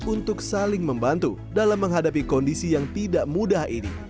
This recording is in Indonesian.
untuk saling membantu dalam menghadapi kondisi yang tidak mudah ini